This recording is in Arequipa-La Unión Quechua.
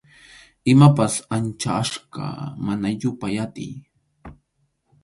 Imapas ancha achka, mana yupay atiy.